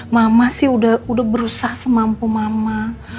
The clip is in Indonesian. mama sih udah berusaha semampu mama